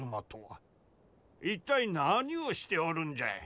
一体何をしておるんじゃい？